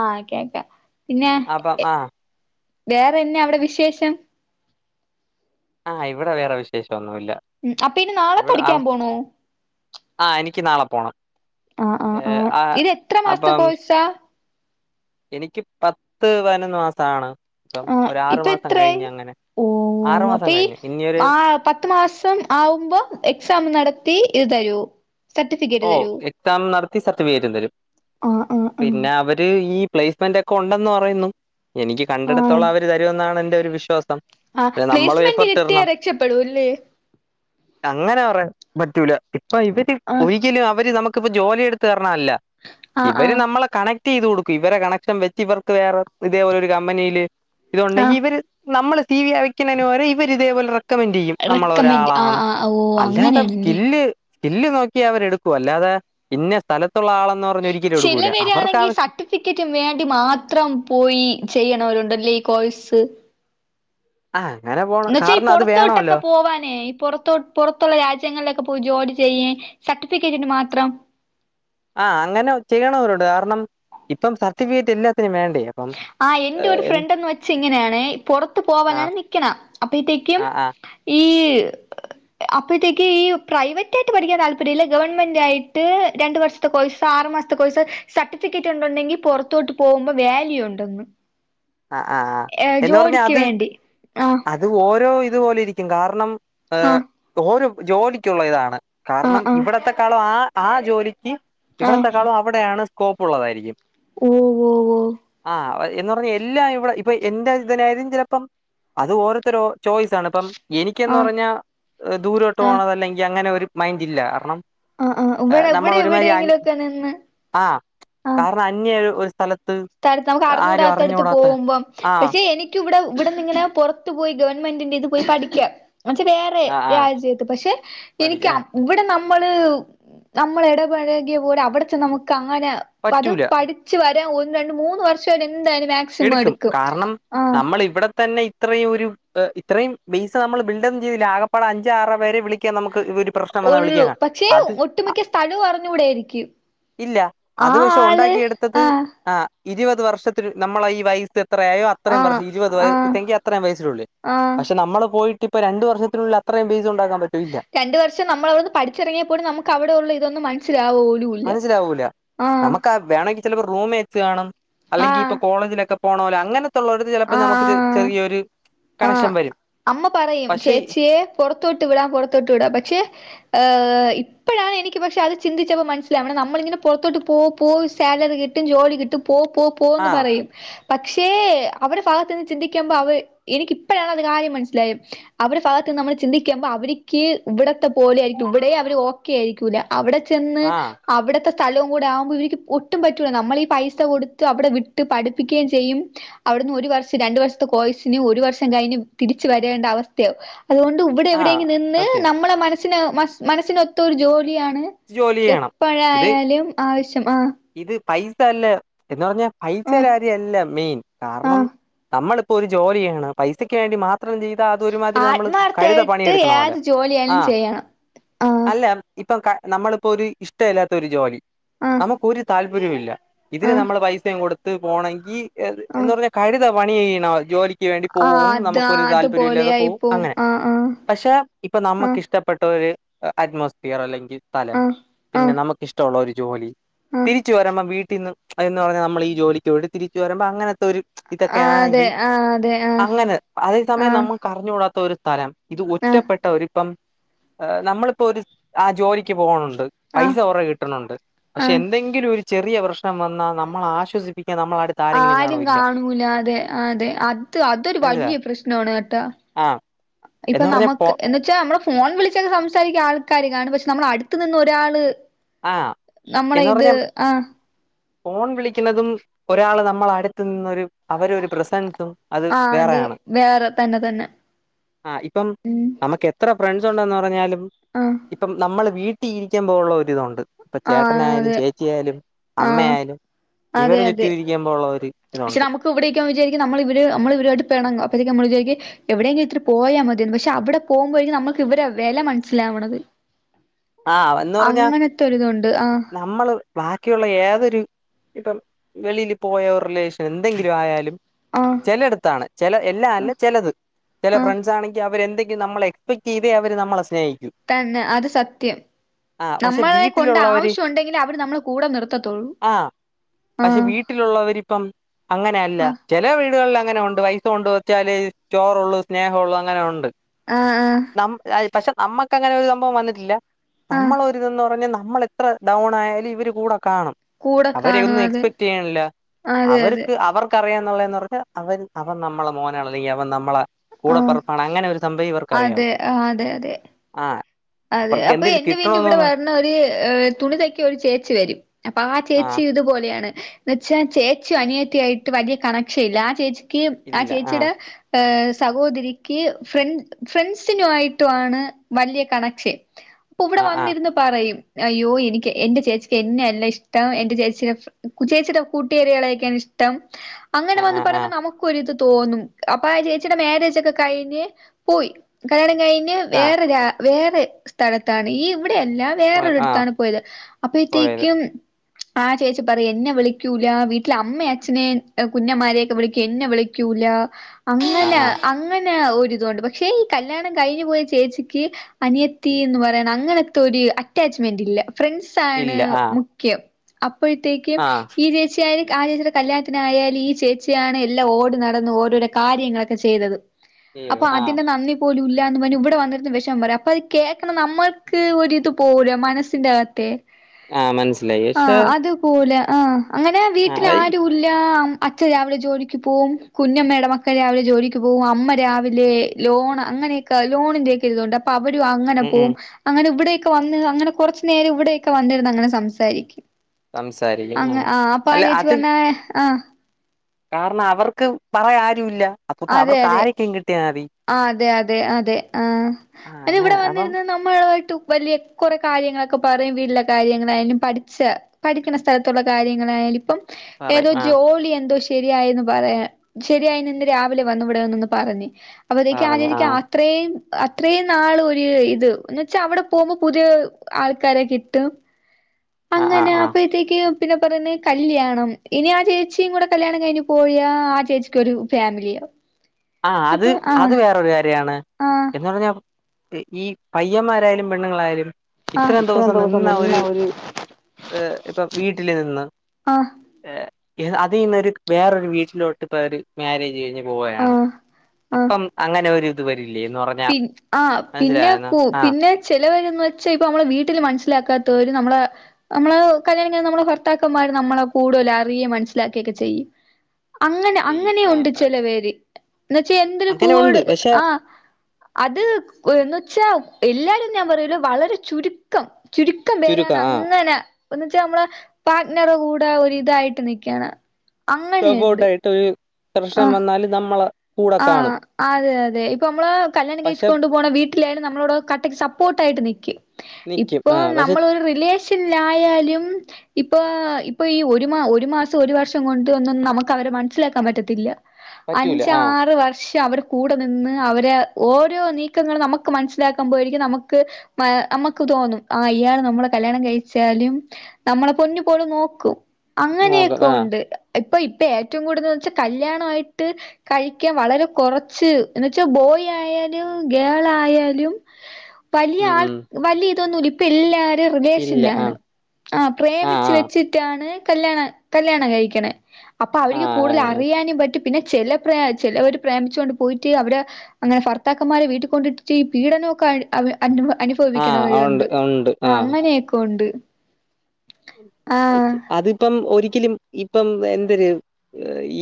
ആഹ് കേക്കാം പിന്നെ അപ്പം ആ വേറെന്നെ അവിടെ വിശേഷം ആഹ് ഇവിടെ വേറെ വിശേഷം ഒന്നുമില്ല ഉം അപ്പൊ ഇനി നാളെ പഠിക്കാൻ പോണോ ആ എനിക്ക് നാളെ പോണം ആഹ് ആഹ് ഏഹ് ആഹ് ഇത് എത്ര മാസത്തെ അപ്പം കോഴ്സാ എനിക്ക് പത്ത് പതിനൊന്ന് മാസമാണ് ഇപ്പം ആഹ് ഒ ആറു ഇപ്പൊ മാസം എത്രയായി കഴിഞ്ഞ് അങ്ങനെ ആറു ഓഹ് മാസം അപ്പൊ ഈ കഴിഞ്ഞ് ഇന്നൊരു ആ പത്ത് മാസം ആവുമ്പോ എക്സാം നടത്തി ഇത് തരൂ ഓ എക്സാം നടത്തി സർട്ടിഫിക്കേറ്റ് തരും ആഹ് ആഹ് ആഹ് പിന്നെ അവര് ഈ പ്ലേസ്മെന്റ് ഒക്കെ ഉണ്ടെന്ന് പറയുന്നു എനിക്ക് ആഹ് കണ്ടെടുത്തോളം അവർ തരുമെന്നാണ് എൻ്റെ ഒരു വിശ്വാസം ആഹ് പിന്നെ നമ്മളും പ്ലേസ്മെന്റ് എഫർട്ട് കിട്ടിയ ഇടണം രക്ഷപ്പെടൂല്ലേ അങ്ങനെ പറയാൻ പറ്റൂല ഇപ്പൊ ഇവര് ആഹ് ഒരിക്കലും അവര് നമുക്ക് ഇപ്പ ജോലി എടുത്ത് തരണല്ല ആഹ് ഇവര് ആഹ് നമ്മള കണക്ട് ചെയ്ത് കൊടുക്കും ഇവരെടെ കണക്ഷൻ വെച്ച് ഇവർക്ക് വേറെ ഇതേപോലെ ഒരു കമ്പനിയില് ഇത് ഉണ്ടെങ്കിൽ ആഹ് ഇവര് നമ്മള് സി വി അയക്കുന്നതിന് പകരം ഇവര് ഇതേ പോലെ റെ ക്കമെന്റ് ചെയ്യും നമ്മള റെക്കമെന്റ് ആഹ് ഒരാളാണ് ആഹ് ഓഹ് അല്ലാതെ അങ്ങനെയാണല്ലേ സ്കില്ല് സ്കില് നോക്കി അവരെ എടുക്കൂ അല്ലാതെ ഇന്ന സ്ഥലത്തുള്ള ആളെന്ന് പറഞ് ഒരിക്കലും എടുക്കൂല അവർക്ക് ആവശ്യ ടിക്കറ്റും വേണ്ടി മാത്രം പോയി ചെയ്യണവരുണ്ടല്ലേ ഈ കോഴസ് ആഹ് അങ്ങനെ പോ എന്നവച്ചാ ഈ പുറത്തോട്ടൊക്കെ പോവാനേ ഈ പുറത്തോട്ട് പുറത്തുള്ള രാജ്യങ്ങളിലൊക്കെ പോയി ജോലി ചെയ്യ സർട്ടിഫിക്കറ്റിന് മാത്രം ആഹ് അങ്ങനെ ചെയ്യണവരുണ്ട് കാരണം ഇപ്പം സർട്ടിഫിക്കറ്റ് എല്ലാത്തിനും വേണ്ടേ അപ്പം ആഹ് എൻന്റെറെ ഒരു ഏഹ് എന്ത്- ഫ്രണ്ട്ന്ന് വെച്ച് ഇങ്ങനെയാണ് പുറത്ത് ആ പോവാനാണ് നിക്കണ അപ്പത്തേക്കും ആ ആ ഈ അപ്പഴത്തേക്ക് ഈ പ്രൈവറ്റ് ആയിട്ട് പഠിക്കാൻ താല്പര്യംല്ല ഗവൺമെന്റ് ആയിട്ട് രണ്ട് വർഷ ത്തെ കോഴ്സ് ആറ് മാസത്തെ കോഴ്സ് സർട്ടിഫിക്കറ്റ് ഉണ്ടെങ്കിൽ പുറത്തോട്ട് പോകുമ്പോ വാ ല്യു ഉണ്ടെന്ന് ആ ആ ആ ഏഹ് എന്ന് പറഞ്ഞാൽ ജോലിക്ക് അത് വേണ്ടി ആഹ് അത് ഓരോ ഇതുപോലെ ഇരിക്കും കാരണം ആഹ് ഓരോ ജോലിക്കുള്ള ഇതാണ് ആഹ് കാരണം ആഹ് ഇവിടത്തെക്കാളും ആ ആ ജോലിക്ക് ആഹ് ഇവിടത്തെക്കാളും അവിടെയാണ് സ്കോപ്പ് ഉള്ളതായിരിക്കും ഓ ഓ ഓ ആ എന്ന് പറഞ്ഞ എല്ലാം ഇവിടെ ഇപ്പൊ എന്റെ ഇതിനും ചിലപ്പം അത് ഓരോരുത്തരോ ചോയ്സ ആണ് ഇപ്പം എനിക്കന്ന് ആഹ് പറഞ്ഞാ ദൂരോട്ട് ആഹ് പോകണതല്ലെങ്കിൽ അങ്ങനെ ഒരു മൈൻഡ് ഇല്ല കാരണം ആഹ് ആഹ് ഇവിടെ നമ്മൾ ഇവിടെ ഒരുമതിരി അൻ എവിടെയെങ്കിലുമൊക്കെ നിന്ന് കാരണം അന്യ ഒരു സ്ഥലത്ത് [unintelligible] ആരും നമ്മക്കറിഞ്ഞൂടാത്തട്ത്ത് പോ അറിഞ്ഞുകൂടാത്ത പോകുമ്പം ആഹ് പക്ഷെ എനിക്കിവടെ ഇവിട്ന്ന്ങ്ങനെ പൊർത്ത് പോയി ഗവൺമെന്റിന്റെ ഇത് പോയി പഠിക്യാ ന്ന്ച്ച വേറെ ആഹ് ആഹ് രാജ്യത്ത് പക്ഷെ എനിക്ക പഠിക്കാൻ ഇവടെ നമ്മള് നമ്മള് എടപഴകിയ പോലെ അവടെ ചെന്ന നമുക്കങ്ങനെ പ്പത് പറ്റൂല പഠിച്ചു വരാൻ ഒന്ന് രണ്ട് മൂന്ന് വർഷവന് എന്തായാലും മാക് എടുക്കും കാരണം നമ്മള് ഇവടെ തന്നെ ഇത്രയും ഒരു ഇത്രയും ബേസ് നമ്മള് ബിൽഡം ചെയ്തില്ലെ ആകപ്പാടെ അഞ്ചോ ആറോ പേരെ വിളിക്കാൻ നമ്മക്ക് ഒരു പ്രശ്നം വന്നാൽ ഒള്ളു വിളിക്കാൻ കാണും. പക്ഷേ അത് ഒട്ടുമിക്ക സ്ഥലും അറിഞ്ഞൂട എനിക്ക് ഇല്ല അത് പക്ഷെ ഒണ്ടാക്കി എടുത്തത് ആഹ് ആ ഇരുപത് വർഷത്തിൽ നമ്മളെ ഈ വയി സ്റ്റെ എത്രായോ അത്രയും ആഹ് വർഷം ഇരുപത് വയ ആഹ് [unintelligible] അത്രേം വയസ്സിനുള്ളിൽ ആഹ് പക്ഷെ നമ്മള് പോയി ട്ട്പ്പൊ രണ്ട് വർഷത്തിനുള്ളിൽ അത്രേം പീസുണ്ടാക്കാൻ പറ്റൊ ഇല്ല രണ്ട് വർഷം നമ്മളതൊന്ന് പഠിച്ചെറങ്ങിയ പോലും നമുക്ക് അവടെള്ള ഇതൊന്നും മനസ്സിലാവോലു മനസ്സിലാവൂല്ല നമ്മക്കാ വേണെങ്കി ചെലപ്പോ റൂമേത്ത് കാണും അല്ലെങ്കി ആഹ് ഇപ്പൊ കോളേജിലൊക്കെ പോണോല് അങ്ങനെ ത്ത്ള്ളോട്ത്ത് ചെലപ്പോ ഞമ്മക്ക് ചെ ചെറിയൊര് ആഹ് കണക്ഷൻ വരും പക്ഷേ പൊറ ത്തോട്ട് വിടാ പൊറത്തോട്ട് വിടാ പക്ഷെ ഏ ഇപ്പഴാണ് എനിക്ക് പക്ഷെ അത് ചിന്തിച്ചപ്പോ മനസ്സിലാവ്ണെ നമ്മളിങ്ങനെ പൊറത്തോട്ട് പോ പോയി സാലറി കി ട്ടും ജോലി കിട്ടും പോ പോ ആ പോന്ന് പറയും പക്ഷേ അവരെ ഫാഗത്ത്ന്ന് ചിന്തിക്കുമ്പോ അവ എനിക്ക് ഇപ്പഴാണ് അത് കാര്യം മനസ്സിലായത് അവരെ ഫാഗത്ത്ന്ന് നമ്മള് ചിന്തിക്കുമ്പോ അവരിക്ക് ഇവ്ടത്തെ പോലെയായിരിക്കും ഇവടേം അവര് ഓക്കെ ആയിരിക്കൂല്ല അവടെ ചെന്ന് ആ അവടത്തെ സ്ഥലവും കൂടെ ആവുമ്പോ ഇവര്ക്ക് ഒട്ടും പറ്റൂല നമ്മളീ പൈസ കൊടുത്ത് അവടെ വിട്ട് പഠിപ്പിക്കുകയും ചെയ്യും അവ്ട്ന്ന് ഒരു വർഷം രണ്ടു വർഷത്തെ കോഴ്സിന് ഒരു വർഷം കഴിഞ് തിരിച്ചു വരേണ്ട അവസ്ഥയാവും അതുകൊണ്ട് ഇവടെ ആഹ് എവടെങ്കിലും നിന്ന് സത്യം നമ്മളെ മനസ്സിന് മസ് മനസ്സിനൊത്തൊരു ജോലിയാണ് ജോലി ചെയ്യണം ഇത് എപ്പഴായാലും ആവശ്യം ആഹ് ഇത് പൈസ അല്ല എന്ന് പറഞ്ഞാ ആഹ് പൈസേടെ കാര്യല്ല മെയിൻ കാരണം ആഹ് നമ്മളിപ്പോ ഒരു ജോലി ചെയ്യ്ണ് പൈസക്ക് വേണ്ടി മാ ത്രം ചെയ്താ അതൊരുമാതിരി നമ്മള് കഴുത ആത്മാർത്ഥായിട്ട് പണിയെടുക്കണ പോലെ ഏത് ജോലിയായാലും ആഹ് ചെയ്യണം ആഹ് അല്ല ഇപ്പൊ ക നമ്മളിപ്പൊര് ഇഷ്ടല്ലാത്ത ഒരു ജോലി ആഹ് നമുക്കൊരു താല്പര്യുല്ല ഇതിന് ആഹ് നമ്മള് പൈസേം കൊടുത്ത് പോണെങ്കി എന്ന് ആഹ് പറഞ്ഞാ കഴ്ത പണി ചെയ്യ്ണ ജോലി ക്ക് വേണ്ടി ആഹ് പോവും അത് നമുക്കൊരു താല്പര്യുല്ലാതെ പോവും അതുപോലെയായിപ്പോവും അങ്ങനെ ആഹ് പക്ഷെ ഇപ്പൊ ആഹ് നമ്മക്കഷ്ട- ഷ്ടപ്പെട്ടൊര് അറ്റ്മോസ്ഫിയർ അല്ലെങ്കി സ്ഥലം ആഹ് പിന്നെ നമ്മക്ക് ഇഷ്ടൊള്ളൊരു ജോലി ആഹ് ആഹ് ആഹ് തിരിച്ച് വരുമ്പോ വീട്ടിന്ന് എന്ന് പറഞാ നമ്മളീ ജോലിക്ക് പോയിട്ട് തിരിച്ചു വരുമ്പോ അങ്ങനെ ത്തൊര് ആഹ് അതെ ഇതൊക്കാണെങ്കി ആഹ് അതെ ആഹ് അങ്ങനെ അതേ സമയം ആഹ് നമ്മ കറിഞ്ഞൂടാത്ത ഒരു സ്ഥലം ഇത് ആഹ് ഒറ്റപ്പെട്ട ഒരുപ്പം നമ്മളിപ്പോ ഒരു സ് ആ ജോലി ക്ക് പോണുണ്ട് ആഹ് പൈസ കൊറെ കിട്ട്ണൊണ്ട് പക്ഷെ ആഹ് എന്തെങ്കിലൊരു ചെറിയ പ്രശ് ഷ്ടം വന്നാ നമ്മളെ ആശ്വസിപ്പിക്കാൻ നമ്മള അടുത്ത് ആരെങ്കിലും കാണോ ആരും ഇല്ല ത് അതൊര് മനസ്സിലായോ വല്യ പ്രശ്നാണ് കേട്ടോ ആഹ് ഇപ്പൊ എന്ന് പറഞ്ഞ നമക്ക് പോ എന്നിട് പക്ഷെ നമ്മളെ ഫോൺ വിളിച്ചാല് സംസാരിക്കാ ആൾക്കാര് കാണും പക്ഷെ നമ്മളെ അടുത്ത് നിന്നൊരാള് ആഹ് നമ്മളെ എന്ന് ഇത് പറഞ്ഞ ആഹ് ഫോൺ വിളിക്കുന്നതും ഒരാള് നമ്മളെ അടുത്ത് നിന്നൊരു അവരൊരു പ്രസൻസും അത് ആഹ് വേറെയാണ് വേറെ തന്നെ തന്നെ ആഹ് ഇപ്പം ഉം നമകെത്ര ഫ്രണ്ട്സുണ്ടെന്ന് പറഞ്ഞാലും ആഹ് ഇപ്പം നമ്മള് വീട്ടി ഇരിക്കുമ്പോ ഉള്ള ഒരിതുണ്ട്. ഇപ്പൊ ആഹ് ചേട്ടനായാലും അതെ ചേച്ചി ആയാലും ആഹ് അമ്മയായാലും ഇവരെ ചുറ്റുയിരിക്കുമ്പോ ഉള്ള ഒര് പക്ഷേ നമക് ഇവടെക്ക്യേം വിചാരിക്കും നമ്മള് ഇവര് അമ്മളിവരോട് പെണങ്ങും അപ്പോത്തേക്കും നമ്മള് വിചാരിക്കേ എവിടെങ്കി ഇത്തിരി പോയാ മതീന്ന്. പക്ഷെ അവടെ പോവുമ്പഴേക്കും നമ്മുക്ക് വരെ വെല മനസ്സിലാവണത്. അങ്ങനെത്തൊരിതൊണ്ട് ആഹ്. അമ്മള് ബാക്കിയുള്ള ഏതൊര് ഇപ്പം വെളിയില് പോയവർലിഷ് എന്തെങ്കിലു ആയാലും ആഹ് ചെലയിടത്താണ് ചെല എല്ലാ അല്ല ആഹ് ചെലത്. ചെലെ ആഹ് ഫ്രണ്ട്സാണെങ്കി അവരെന്തെങ്കിം നമ്മളെ എസ്പെക്റ്റെയ്ത് അവര് നമ്മളെ സ്നേഹിക്കും. തന്നെ അത് സത്യം. പക്ഷെ നമ്മളെ കൊണ്ട് വീട്ടിലുള്ളവര് ആവശ്യുണ്ടെങ്കിലെ അവര് നമ്മളെ കൂടെ നിർത്തത്തൊള്ളൂ. ആ പക്ഷെ വീട്ടിലുള്ളവരിപ്പം അങ്ങനല്ല. ആഹ് ചെലെ വീടുകൾല് അങ്ങനെ ഒണ്ട് പൈസ കൊണ്ട് വെച്ചാല് ചോറോള്ളൂ സ്നേഹോള്ളൂ അങ്ങനെ ഒണ്ട്. ആഹ് ആഹ് നം അത് പക്ഷെ നമ്മക്കങ്ങനെ ഒരു സംഭവം വന്ന്ട്ട്ല്ല. ആഹ് നമ്മളൊരിതെന്ന് പറഞ്ഞാ നമ്മളെത്ര ഡൗണായാലും ഇവര് കൂടെ കാണും. കൂടെ അവരെ കാണും ഒന്നും അതെ എക്സ്പെക്ടെയ്യ്ണില്ല അതെ അതെ അവർക്ക് അവർ ക്കറിയന്നുള്ളന്ന് പറഞ്ഞ അവര് അവൻ നമ്മളെ മോനാണ് അല്ലങ്കി അവൻ നമ്മളെ ആഹ് കൂടപ്പറപ്പാണ് അങ്ങനെയൊരു സംഭവേ ഇവർക്കറിയാവൂ. അതെ ആഹ് അതെ അതെ ആഹ്. അതെ അവർക്ക് അപ്പൊ എന്തേലും എന്റെ വീണ്ടന്റെവടെ കിട്ടണോന്ന് വേര്ണൊര് ഏഹ് തുണിതയ്ക്കാൻ ഒരു ചേച്ചി വെരും. അപ്പൊ ആ ചേച്ചി ആഹ് ഇതുപോലെയാണ്. ന്നച്ചാ ചേച്ചി അനിയത്ത്യായിട്ട് വല്യ കണക്ഷ ഇല്ല ആ ചേച്ചിക്ക് ആ ഇല്ല ആഹ് ചേച്ചിടെ ഏഹ് സഹോദരിക്ക് ഫ്ര ഫ്രണ്ട്സിനുവായിട്ടുവാണ് വല്യ കണ ക്ഷൻ അപ്പൊ ഇവടെ ആഹ് ആഹ് വന്നിരുന്ന് പറയും അയ്യോ എനിക്ക് എന്റെ ചേച്ചിക്ക് എന്നെയല്ല ഇഷ്ടം എന്റെ ചേച്ചിടെ ചേച്ചിടെ കൂട്ടുകരികളെക്കെയാണിഷ്ടം. അങ്ങനെ വന്ന് ആഹ് ആഹ് പറയുമ്പോ ആഹ് നമു ക്കൊരിത് തോന്നും. അപ്പൊ ആ ചേച്ചിയുടെ മാരേജൊക്കെ കഴിഞ്ഞ് പോയി. കല്യാണം കഴിഞ്ഞ് ആഹ് വേറെ രാ വേറെ സ്ഥലത്താണ് ഈ ഇവടെ അല്ല. പോയ ആഹ് വേറൊര്ടത്താണ് പോയത്. പോയത് അപ്പഴത്തേക്ക്യും ആ ചേച്ചി പറയും എന്നെ വിളിക്ക്യൂല വീട്ടിലമ്മേ അച്ഛനേം കുഞ്ഞമാരെക്കെ വിളിക്കും എന്നെ വിളി ക്ക്യൂല. ആഹ് അങ്ങനെ ആഹ് അങ്ങനെ ഒരിതൊണ്ട് പക്ഷെ ഈ കല്യാണം കഴിഞ്ഞു പോയ ചേച്ചിക്ക് അനിയ ത്തീന്ന് പറയണ അങ്ങനെഞ്ഞൊര് അറ്റാച്ച്മെൻ്റില്ല. ഫ്രണ്ട്സാണ് ഇല്ല ആഹ് മുഖ്യം. അപ്പോഴത്തേക്കും ആഹ് ഈ ചേ ച്ചിയായാലും ആ ചേച്ചിയുടെ കല്യാണത്തിനായാലു ഈ ചേച്ചിയാണ് എല്ലാം ഓട് നടന്ന് ഓരോരോ കാര്യങ്ങളൊക്കെ ചെയ്തത്. ചെയ്തു അപ്പൊ ആഹ് അതിന്റെ നന്ദി പോലുല്ലാന്ന് പർഞ് ഇവടെ വന്നിരുന്ന് വെഷമം പറയും അപ്പത് കേക്ക്ണ നമ്മക്ക് ഒരിത്പോവൂല മനസ്സിൻ്റകത്തെ. ആഹ് മൻസ്സിലായി. പക്ഷേ പോവൂല ആഹ് അങ്ങനെ വീട്ടിലാരു ല്ലാം അച്ഛൻ രാവിലെ ജോലിക്ക് പോവും കുഞ്ഞമ്മേടെ മക്കൾ രാവിലെ ജോലിക്ക് പോവും അമ്മ രാവിലെ ലോണ് അങ്ങനെക്കെ ലോണിന്റെ ക്കെ ഒരിതുണ്ട് അപ്പൊ അവരും അങ്ങനെ ഉം, ഉം, പോവും. അങ്ങനെ ഇവടെയെക്കെ വന്ന് അങ്ങനെ കൊറച്ച് നേരം ഇവടെയെക്കെ വന്നിരുന്നങ്ങനെ സംസാരിക്കും. സംസാരിക്കും അങ്ങ ഉം ആഹ് അപ്പ ആ അല്ല ചേച്ചി അത് പർഞ്ഞ് ആഹ് കാരണം അവർക്ക് പറയാരുല്ല അപ്പോക്ക്‌ അവർക്ക് ആരെക്കേം കിട്ട്യാ മതി. ആഹ് അതെ അതെ അതെ ആഹ് ആ അയ്ന് അങ്ങനെ ഇവടെ അപ്പം വന്നിരുന്ന് ന മ്മളായിട്ട് വല്യ കൊറെ കാര്യങ്ങളൊക്കെ പറയും. വീട്ടിലെ കാര്യങ്ങളായാലും പഠിച്ച പഠിക്ക്യ്ണ സ്ഥലത്തുള്ള കാര്യങ്ങളായാലും ഇപ്പം ഏതോ പറയും ആ ജോലി എന്തോ ശരിയായീന്ന് പറയാ. ശരിയായിന്നിന്ന് രാവിലെ വന്നു ഇവിടെ വന്നൊന്ന് പറഞ്ഞ്. അപ്പഴ്ത്തേക്ക് ആ ചേച്ചിക്ക ത്രേം അത്രയും നാള് ഒര് ഇത് എന്ന്വെച്ചാ അവിടെ പോകുമ്പോ പുതിയ ആൾക്കാരെ കിട്ടും ആ ആ അങ്ങനെ. ആ അപ്പഴത്തേക്ക് പിന്നെ പറയ്ന്ന് കല്ല്യാണം. ഇനി ആ ചേച്ചിയും കൂടെ കല്യാണം കഴിഞ് പോയാ ആ ചേച്ചിക്കൊരു ഫാമിലിയാവും. ആഹ് അത് അത് വേറൊരു കാര്യാണ്. ആഹ്. എന്ന് പറഞ്ഞാ ഈ പയ്യന്മാരായാലും പെണ്ണുങ്ങളായാലും ഇത്രയും ദിവസം നിന്ന ഒരു ഏഹ് ഇപ്പം വീട്ടില് നിന്ന്. ആഹ് അതീന്നൊരു വേറൊരു വീട്ടിലോട്ട് ഇപ്പൊര് മാരേജ് കഴിഞ്ഞു. പോവെയാണ്. ആഹ് ആഹ് അപ്പം അങ്ങനെ ഒരു ഇത് വരില്ലേ ന്ന പി ആഹ് പിന്നെ കൂ ആ പിന്നെ ചെലവരെന്ന് വെച്ചാ ഇപ്പ നമ്മളെ വീട്ടില് മനസ്സിലാക്കാത്തോരു നമ്മളെ നമ്മള് കല്യാണം കയ്യുമ്പോ നമ്മള് ഭർത്താക്കന്മാർ നമ്മളെ കൂടുതല് അറിയേം മനസിലാക്കെക്കെ ചെയ്യ്. അങ്ങനെ ചെയ്യും ആ അങ്ങനെയുണ്ട് ചെലവേര്. എന്ന്വെച്ചാ എന്തിരു അങ്ങനെ ഉണ്ട് കൂട് പക്ഷെ ആഹ് അത് എന്ന്വെച്ചാ എല്ലാരും ഞാൻ പറയൂല വളരെ ചുരു ക്കം ചുരുക്കം പേരാണ് അങ്ങനെ എന്ന്വെച്ചാ നമ്മളെ പാട്നറെ കൂടെ ഒരിതായിട്ട് നിക്കണം. സപ്പോട്ടായിട്ടൊരു പ്രശ്നം ആഹ് വന്നാല് നമ്മള് ആഹ് അതെ അതെ. ഇപ്പൊ നമ്മളെ കല്യാണം കഴിച്ചു പക്ഷെ കൊണ്ട് പോണ വീട്ടിലായാലും നമ്മളോട് കട്ടക്ക് സപ്പോർട്ടായിട്ട് നിക്കും. നിക്കും. ഇപ്പോ ആഹ് പക്ഷെ നമ്മളൊരു റിലേഷൻലായാലും ഇപ്പൊ ഇപ്പൊ ഈ ഒരു മാ ഒരു മാസം ഒരു വർഷം കൊണ്ട് ഒന്നും നമുക്കവരെ മനസ്സിലാക്കാൻ പറ്റത്തില്ലാ. പറ്റൂല ആഹ്. ആറ് വർഷം അവരെ കൂടെ നിന്ന് അവരെ ഓരോ നീക്കങ്ങള് നമ്മക്ക് മൻസ്സിലാക്കുമ്പോ ആയിരിക്കും നമുക്ക് മാ അമ്മക്ക് തോന്നും ആഹ് ഇയാള് നമ്മളെ കല്യാണം കഴിച്ചാലും, നമ്മളെ പൊന്നു പോലെ നോക്കും. നോക്കാം അങ്ങനെയൊക്കെ ആഹ് ഉണ്ട്. ഇപ്പൊ ഇപ്പൊ ഏറ്റവും കൂടുതലെന്ന് വെച്ചാ കല്യാണവായിട്ട് കഴിക്കാൻ വളരെ കൊറച്ച് എന്ന് വെച്ചാ ബോയ് ആയാലും ഗേളായാലും വലിയ ഉം ആൾ ഉം വല്ല്യ ഇതൊന്നും ഇല്ല. ഇ പ്പില്ലാരും ഇല്ല റിലേഷനിലാണ്. ആഹ് ആഹ് പ്രേമിച്ച് ആഹ് വെച്ചി റ്റാണ് കല്യാണ കല്യാണം കഴിക്ക്ണേ. അപ്പൊ അവർക്ക് ആഹ് കൂടുതലറിയാനും പറ്റും പിന്നെ ചെല പ്രേ ചെലവര് പ്രേമിച്ച് കൊണ്ട് പോയിട്ട് അവിടെ അങ്ങനെ ഫർത്താക്കന്മാരെ വീട്ട് കൊണ്ടിട്ടിട്ടീ പീഡനൊ ഒക്കെ അവെ അനുഫ ആഹ് ആഹ് ഉണ്ട് അനുഫവിക്കണവരുണ്ട്. ഉണ്ട് ആഹ് അങ്ങനെയൊക്കുണ്ട്. അതിപ്പം ഒരിക്കലും ഇപ്പം എന്തര്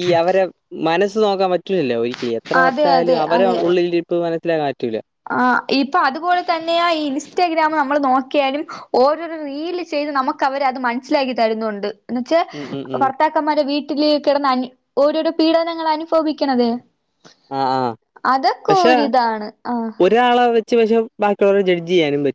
ഈ അവരെ മനസ്സ് നോക്കാൻ പറ്റൂലല്ലോ ഒരിക്കലും എത്ര അതെ അതെ വർഷായാലും അവരെ അതെ ഉള്ളിലിരി പ്പ് മനസിലാക്കാൻ പറ്റൂല. ആഹ് ഇപ്പൊ അതുപോലെ തന്നെയാ ഈ ഇൻസ്റ്റഗ്രാമ് നമ്മള് നോക്കിയാലും ഓരോരോ റീല് ചെയ്ത് നമുക്കവര് അത് മനസ്സിലാക്കി തരുന്നുണ്ട്. എന്ന് വെച്ചാ ഉം ഉം ഉം ഭർത്താക്കന്മാരെ വീട്ടില് കെടന്ന് അനു ഓരോരോ പീഡനങ്ങള് അനുഫവിക്കെണത്. ആഹ് ആഹ് അതൊക്കോ പക്ഷെ ഒരിതാണ്. ആഹ് ഒരാളെ വെച്ച് പക്ഷെ ബാക്കിയുള്ളൊരെ ജഡ്ജെയ്യാനും പ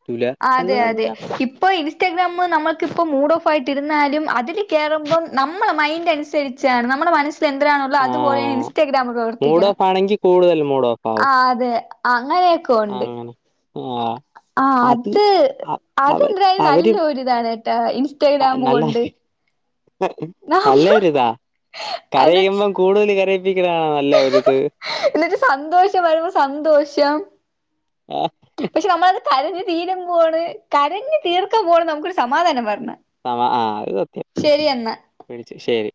അതെ അതെ. ഇ പ്പോ ഇൻസ്റ്റാഗ്രാമ് നമ്മൾക്കിപ്പോ മൂഡോഫായിട്ടിരുന്നാലും അതില് കേറുമ്പം നമ്മളെ മൈന്റനുസരി ച്ചാണ് നമ്മള മനസ് സ്സിലെന്തരാണോ ഉള്ളെ അതുപോലെണ് ആഹ് ഇൻസ്റ്റാഗ്രാമ് മൂഡ് പ്രവർത്തിക്കണേ ഓഫ് ആണെങ്കി കൂടുതൽ മൂഡ് ഓഫ് ആവും ആ അതെ അങ്ങനെയെ അങ്ങനെ [unintelligible] ആ അത് അ- അവ അതെന്തരായാലും അവര് നല്ല ഒരിതാണ്കേട്ടോ ആഹ് ഇൻസ്റ്റഗ്രാമ് നല്ല കൊണ്ട് നമ്മ നല്ലൊരിതാ അത് കരയുംമ്പം കൂടുതല് കരയിപ്പിക്കുന്നതാണോ നല്ലൊരിത്. ന്നിട്ട് സന്തോഷം വരുമ്പോ സന്തോഷം ആ പക്ഷേ നമ്മളത് കരഞ്ഞ് തീരുമ്പോള് കരഞ്ഞ് തീർക്കുമ്പോണ് നമുക്കൊരു സമാധാനം വര്ണേ. സമാ ആ അത് സത്യം പിടിച്ചു ശെരി